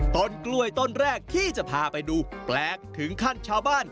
ต้นกล้วยต้นแรกที่จะพาไปดูแปลกถึงขั้นชาวบ้าน